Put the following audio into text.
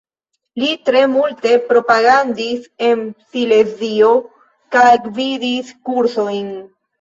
Li tre multe propagandis en Silezio kaj gvidis kursojn.